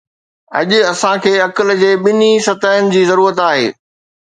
اڄ اسان کي عقل جي ٻنهي سطحن جي ضرورت آهي